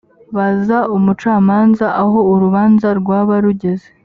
baza umucamanza aho urubanza rwaba rugeze